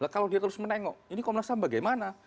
kalau dia terus menengok ini komnas ham bagaimana